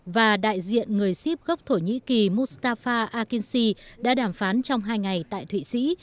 và đại diện người ship gốc thổ nhĩ kỳ mustafa akinsi đã đàm phán trong hai ngày tại thụy sĩ